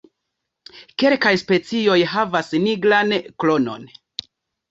Kelkaj specioj havas nigran kronon.